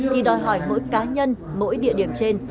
thì đòi hỏi mỗi cá nhân mỗi địa điểm trên